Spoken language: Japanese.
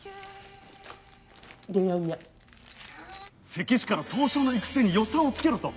関市から刀匠の育成に予算をつけろと。